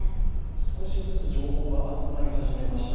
少しずつ情報が集まり始めました。